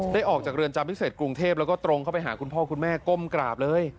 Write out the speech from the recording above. ออกจากเรือนจำพิเศษกรุงเทพแล้วก็ตรงเข้าไปหาคุณพ่อคุณแม่ก้มกราบเลย